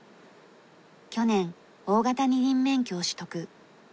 去年大型二輪免許を取得